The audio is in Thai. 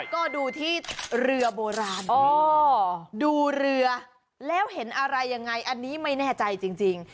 ก็ดูที่เรือโบราณดูเรือแล้วเห็นอะไรยังไงอันนี้ไม่แน่ใจจริง